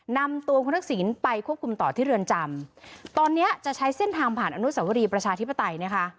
นำตัวคุณทักษิณไปควบคุมต่อที่เรือนจำตอนเนี้ยจะใช้เส้นทางผ่านอนุสวรีประชาธิปไตยนะคะ